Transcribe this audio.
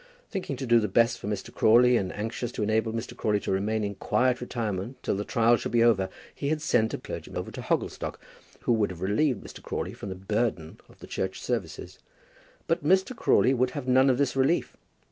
Thinking to do the best for Mr. Crawley, and anxious to enable Mr. Crawley to remain in quiet retirement till the trial should be over, he had sent a clergyman over to Hogglestock, who would have relieved Mr. Crawley from the burden of the church services; but Mr. Crawley would have none of this relief.